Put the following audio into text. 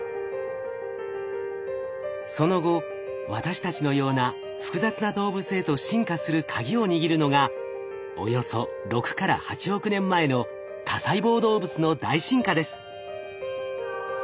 その後私たちのような複雑な動物へと進化するカギを握るのがおよそ６から８億年前の多細胞動物の大進化です。